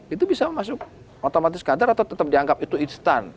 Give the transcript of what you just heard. itu bisa masuk otomatis kader atau tetap dianggap itu instan